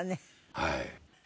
はい。